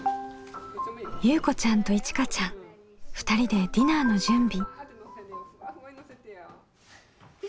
ゆうこちゃんといちかちゃん２人でディナーの準備。